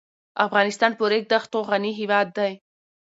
افغانستان په ریګ دښتو غني هېواد دی.